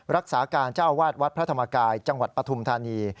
รักษาการเจ้าวาดวัดพระธรรมกายจังหวัดปฐุมธานี